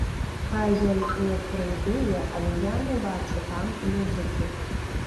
Хай ён не крыўдуе, але я не бачу там музыкі.